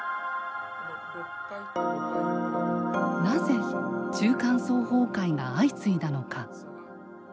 なぜ中間層崩壊が相次いだのか。